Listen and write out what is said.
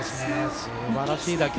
すばらしい打球。